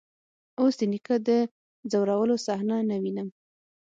اوس د نيکه د ځورولو صحنه نه وينم.